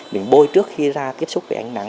mình bôi trước khi ra tiếp xúc với ánh nắng